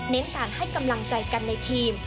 เน้นต่างให้กำลังใจกันในทีม